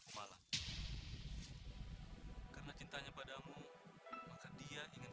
kamu panggil saya saja mas atau dar